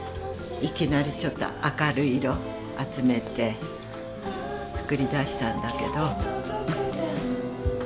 いきなりちょっと明るい色集めて作りだしたんだけど。